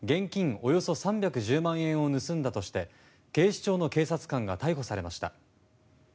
およそ３１０万円を盗んだとして警視庁の警察官が逮捕されました。